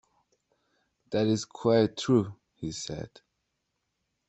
"That is quite true," he said.